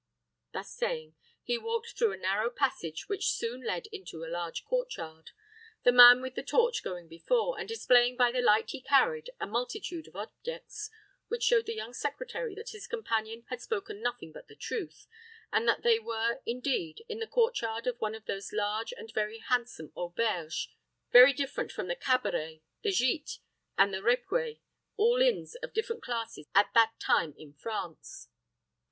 Thus saying, he walked through a narrow passage which soon led into a large court yard, the man with the torch going before, and displaying by the light he carried a multitude of objects, which showed the young secretary that his companion had spoken nothing but the truth, and that they were, indeed, in the court yard of one of those large and very handsome auberges very different from the cabarets, the gites, and repues, all inns of different classes at that time in France.